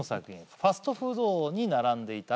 「ファストフードに並んでいたら」